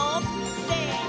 せの！